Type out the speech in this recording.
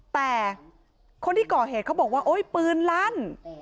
แต่คนที่ก่อเหตุเขาบอกว่าโอ๊ยปืนลั่น